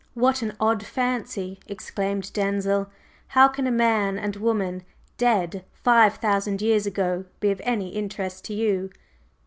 "What an odd fancy!" exclaimed Denzil. "How can a man and woman dead five thousand years ago be of any interest to you?"